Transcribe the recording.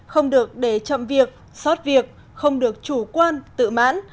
không được để chậm việc xót việc không được chủ quan tự mãn